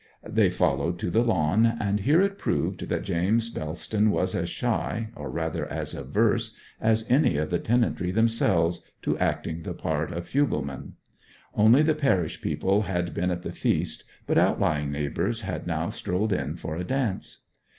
They followed to the lawn; and here it proved that James Bellston was as shy, or rather as averse, as any of the tenantry themselves, to acting the part of fugleman. Only the parish people had been at the feast, but outlying neighbours had now strolled in for a dance.